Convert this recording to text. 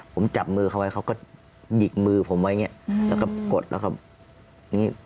ผมจับมือเขาไว้เขาก็หยิกมือผมไว้อย่างนี้แล้วก็กดแล้วก็อย่างนี้